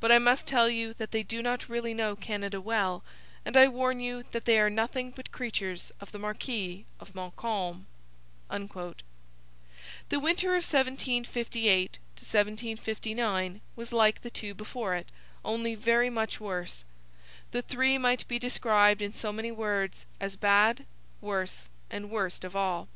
But I must tell you that they do not really know Canada well, and I warn you that they are nothing but creatures of the Marquis of Montcalm.' The winter of 1758 59 was like the two before it, only very much worse. The three might be described, in so many words, as bad, worse, and worst of all.